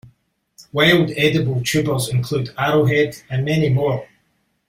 Wild edible tubers include arrowhead, and many more.